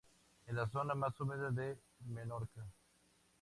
Es la zona más húmeda de Menorca.